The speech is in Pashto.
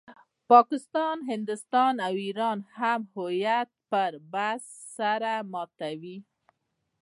پاکستان، هندوستان او ایران هم د هویت پر بحث سر ماتوي.